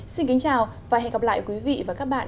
xin kính chào và hẹn gặp lại quý vị và các bạn